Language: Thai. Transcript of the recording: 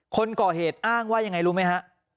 คนก่อเหตุอ้างว่ายังไงรู้ไหมฮะ